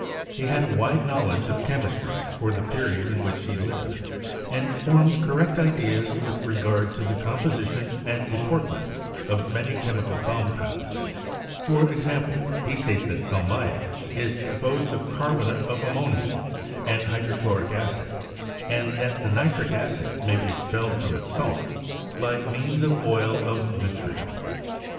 He had a wide knowledge of chemistry for the period in which he lived, and formed correct ideas with regard to the com position and deportment of many chemical compounds ; for example, he states that salmiac is composed of carbonate of ammonia and hydrochloric acid, and that nitric acid may be expelled from its salts by means of oil of vitriol.